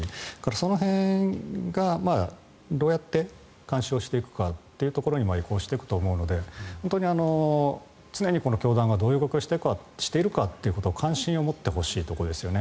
その辺がどうやって監視をしていくかというところまで移行していくと思うので本当に常に教団がどういう動きをしているかということに関心を持ってほしいところですよね